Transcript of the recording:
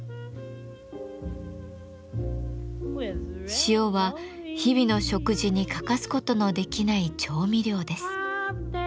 塩は日々の食事に欠かすことのできない調味料です。